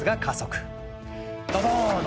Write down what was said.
ドドーン！